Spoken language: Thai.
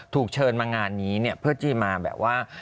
เชิญมางานนี้เนี่ยเพื่อที่มาแบบว่า